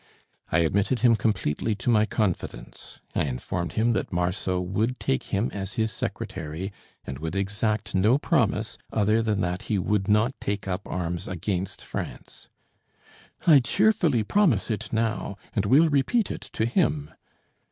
I admitted him completely to my confidence. I informed him that Marceau would take him as his secretary, and would exact no promise other than that he would not take up arms against France. "I cheerfully promise it now, and will repeat it to him."